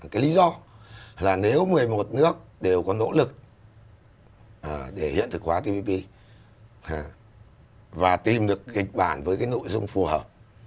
cái lý do là nếu một mươi một nước đều có nỗ lực để hiện thực hóa tpp và tìm được kịch bản với cái nội dung phù hợp